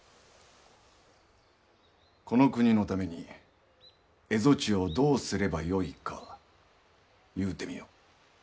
この国のために蝦夷地をどうすればよいか言うてみよ。